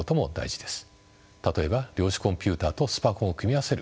例えば量子コンピュータとスパコンを組み合わせる